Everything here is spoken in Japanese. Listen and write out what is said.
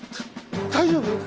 大丈夫？